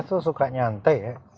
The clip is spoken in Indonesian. saya tuh suka nyantai ya